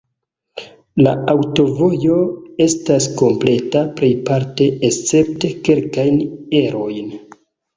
La aŭtovojo estas kompleta plejparte, escepte kelkajn erojn.